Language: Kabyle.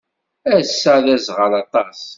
Ass-a d aẓɣal aṭas.